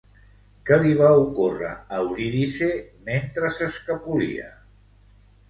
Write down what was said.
Què li va ocórrer a Eurídice mentre s'escapolia?